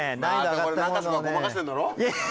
またこれ何か所かごまかしてんだろ？